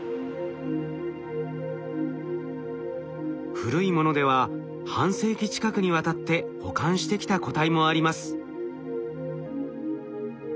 古いものでは半世紀近くにわたって保管してきた個体もあります。